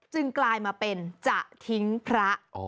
จึงกลายมาเป็นจถิงพระ